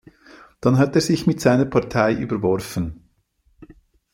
Dann hat er sich mit seiner Partei überworfen.